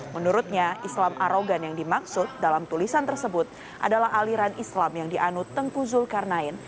menurutnya islam arogan yang dimaksud dalam tulisan tersebut adalah aliran islam yang dianut tengku zulkarnain